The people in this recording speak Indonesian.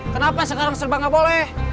kenapa sekarang serba nggak boleh